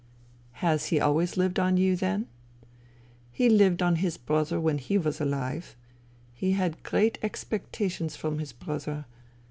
" Has he always lived on you, then ?"" He lived on his brother when he was alive. He had great expectations from his brother.